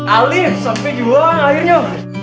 alif sampai juang akhirnya